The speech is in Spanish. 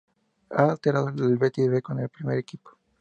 Ha alternado el Betis B con el primer equipo.